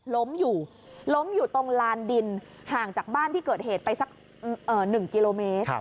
ล้มอยู่ล้มอยู่ตรงลานดินห่างจากบ้านที่เกิดเหตุไปสัก๑กิโลเมตร